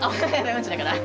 うんちだから？